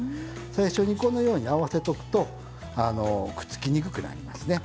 最初にこのように合わせとくとくっつきにくくなりますね。